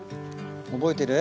覚えてる？